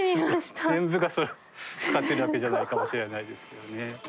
全部がそれを使ってるわけじゃないかもしれないですけどね。